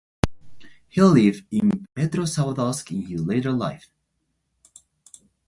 He lived in Petrozavodsk in his later life.